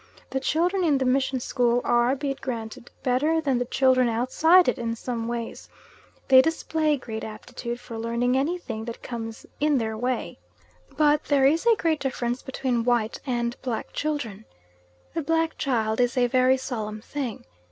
The children in the mission school are, be it granted, better than the children outside it in some ways; they display great aptitude for learning anything that comes in their way but there is a great difference between white and black children. The black child is a very solemn thing.